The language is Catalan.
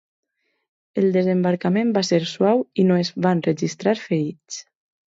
El desembarcament va ser suau i no es van registrar ferits.